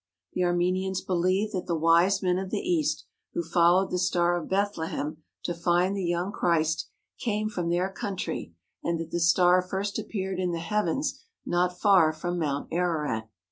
The Armenians believe that the Wise Men of the East, who followed the Star of Bethlehem to find the young Christ, came from 274 ARMENIA, THE SUFFERING their country and that the Star first appeared in the heav ens not far from Mount Ararat.